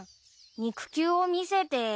肉球を見せて。